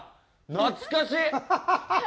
懐かしっ。